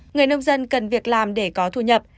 người nông dân cần việc làm để có thu nhập